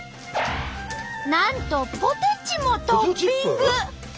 なんとポテチもトッピング！